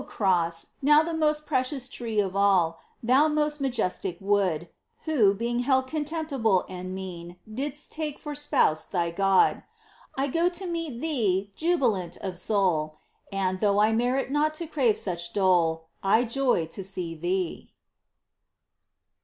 cross, now the most precious tree of all ! Thou most majestic wood, Who, being held contemptible and mean Didst take for Spouse thy God ! 1 go to meet thee, jubilant of soul. And, though I merit not to crave such dole, I joy to see thee